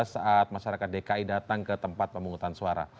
saat masyarakat dki datang ke tempat pemungutan suara